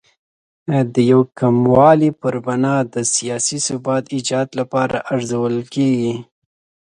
د یو قوموالۍ پر بنا د سیاسي ثبات ایجاد لپاره ارزول کېږي.